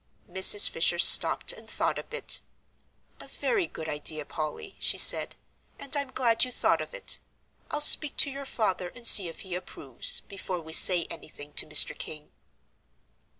Mrs. Fisher stopped and thought a bit, "A very good idea, Polly," she said, "and I'm glad you thought of it. I'll speak to your father and see if he approves, before we say anything to Mr. King."